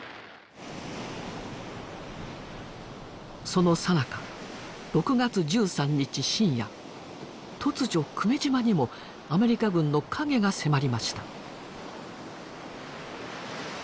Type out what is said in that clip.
そのさなか突如久米島にもアメリカ軍の影が迫りました。